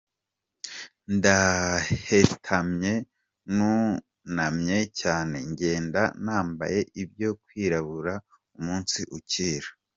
Ndahetamye nunamye cyane, Ngenda nambaye ibyo kwirabura umunsi ukira.